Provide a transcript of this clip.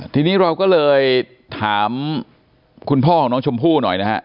ทีนี้เราก็เลยถามคุณพ่อของน้องชมพู่หน่อยนะฮะ